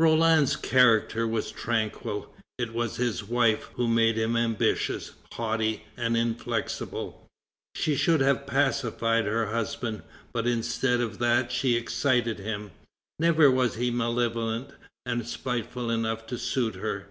Roland's character was tranquil; it was his wife who made him ambitious, haughty, and inflexible. She should have pacified her husband, but instead of that she excited him. Never was he malevolent and spiteful enough to suit her.